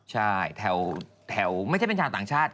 ใช่แถวไม่ใช่เป็นชาวต่างชาติ